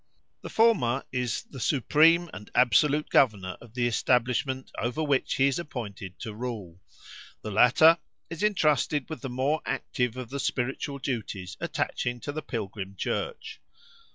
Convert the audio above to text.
The former is the supreme and absolute governor of the establishment over which he is appointed to rule, the latter is entrusted with the more active of the spiritual duties attaching to the Pilgrim Church.